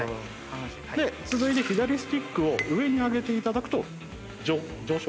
続いて左スティックを上に上げていただくと上昇します。